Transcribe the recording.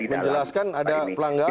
menjelaskan ada pelanggaran